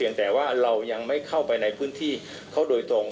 แต่ว่าเรายังไม่เข้าไปในพื้นที่เขาโดยตรง